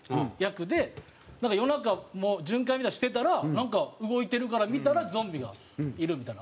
なんか夜中もう巡回みたいのしてたらなんか動いてるから見たらゾンビがいるみたいな。